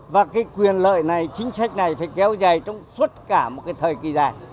và cái quyền lợi này chính sách này phải kéo dài trong suốt cả một cái thời kỳ dài